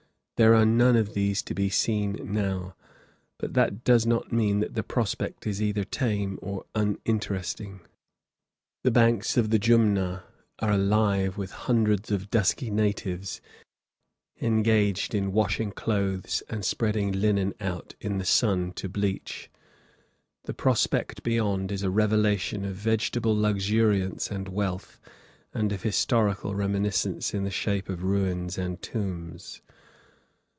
There are none of these to be seen now; but that does not mean that the prospect is either tame or uninteresting. The banks of the Jumna are alive with hundreds of dusky natives engaged in washing clothes and spreading linen out in the sun to bleach. The prospect beyond is a revelation of vegetable luxuriance and wealth, and of historical reminiscence in the shape of ruins and tombs.